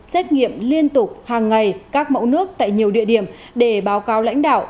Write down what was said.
xét nghiệm liên tục hàng ngày các mẫu nước tại nhiều địa điểm để báo cáo lãnh đạo